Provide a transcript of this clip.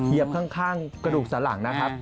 เหยียบข้างกระดูกสันหลังนะครับ